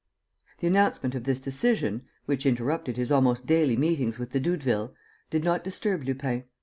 The announcement of this decision, which interrupted his almost daily meetings with the Doudevilles, did not disturb Lupin.